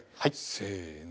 せの。